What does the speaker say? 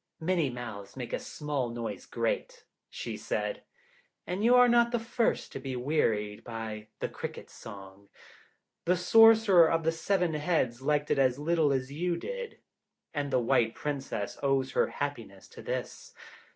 "Many mouths make a small noise great," she said, "and you are not the first to be wearied by the crickets' song. The Sorcerer of the Seven Heads liked it as little as you did, and the White Princess owes her happiness to this.